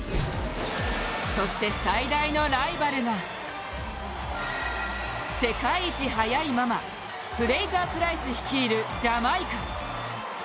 そして最大のライバルが世界一速いママフレイザープライス率いるジャマイカ。